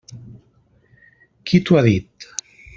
Qui t'ho ha dit?